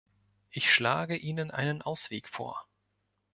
Ich schlage Ihnen einen Ausweg vor.